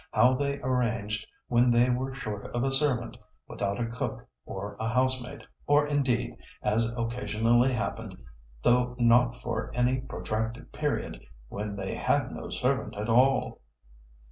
How they arranged when they were short of a servant, without a cook or a housemaid, or indeed, as occasionally happened, though not for any protracted period, when they had no servant at all.